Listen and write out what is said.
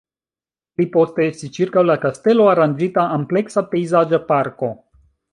Pli poste estis ĉirkaŭ la kastelo aranĝita ampleksa pejzaĝa parko.